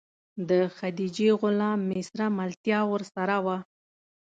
د خدیجې غلام میسره ملتیا ورسره وه.